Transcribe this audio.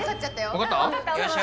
わかった？